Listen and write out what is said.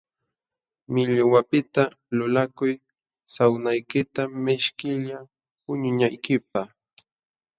Millwapiqta lulakuy sawnaykita mishkilla puñunaykipaq.